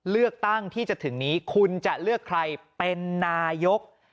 เลือกตั้งที่จะถึงนี้คุณจะเลือกใครเป็นนายก